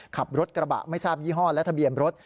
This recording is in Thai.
ขับรถกระบะไม่ทราบยี่ห้อและทะเบียนรถ